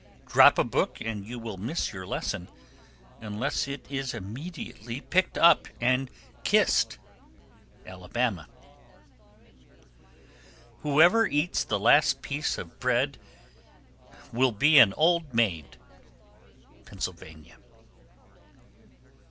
Drop a book and you will miss your lesson, unless it is immediately picked up and kissed. Alabama. 1277. Whoever eats the last piece of bread will be an old maid. _Pennsylvania.